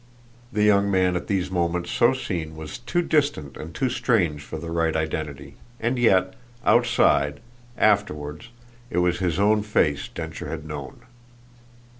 The young man at these moments so seen was too distant and too strange for the right identity; and yet, outside, afterwards, it was his own face Densher had known.